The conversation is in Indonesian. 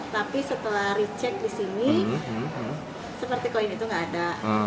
tapi setelah recheck di sini seperti koin itu nggak ada